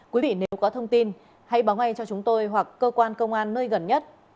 quý vị nếu có thông tin hãy báo ngay cho chúng tôi hoặc cơ quan công an nơi gần nhất